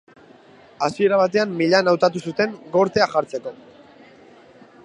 Hasiera batean Milan hautatu zuen gortea jartzeko.